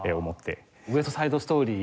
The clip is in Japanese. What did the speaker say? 『ウエスト・サイド・ストーリー』